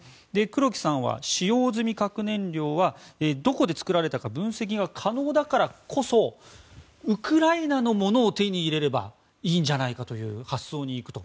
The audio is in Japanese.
黒木さんは、使用済み核燃料はどこで作られたか分析が可能だからこそウクライナのものを手に入れればいいんじゃないかという発想に行くと。